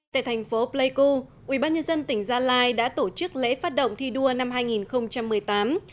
tại thành phố pleiku ubnd tỉnh gia lai đã tổ chức lễ phát động thi đua năm hai nghìn một mươi tám